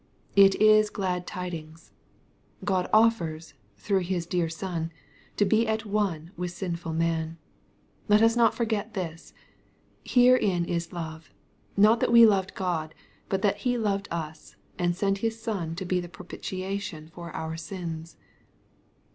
It is glad tidings. God offers, through His dear Son, to bo at one with sinful man. Let us not forget this :" Herein is love, not that we loved God, but that He loved us, and sent His Son to be the propitiation for our sins."